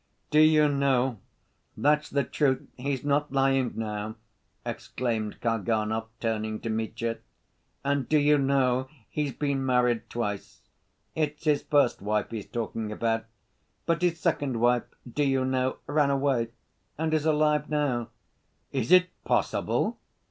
"Do you know, that's the truth, he's not lying now," exclaimed Kalganov, turning to Mitya; "and do you know, he's been married twice; it's his first wife he's talking about. But his second wife, do you know, ran away, and is alive now." "Is it possible?"